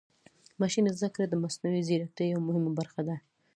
ماشین زده کړه د مصنوعي ځیرکتیا یوه مهمه برخه ده.